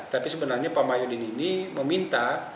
tapi sebenarnya pak mahyudin ini meminta